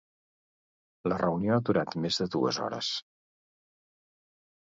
La reunió ha durat més de dues hores.